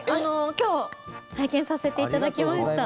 今日拝見させていただきました。